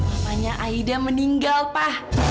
mamanya aida meninggal pa